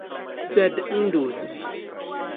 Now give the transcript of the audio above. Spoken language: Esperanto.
Sed indus!